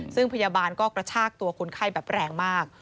ซึ่งพยาบาลก็กระชากตัวคนไข้แบบแรงมาก